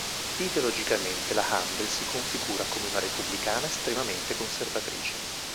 Ideologicamente la Handel si configura come una repubblicana estremamente conservatrice.